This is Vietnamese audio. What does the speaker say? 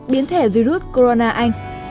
biến thể virus corona anh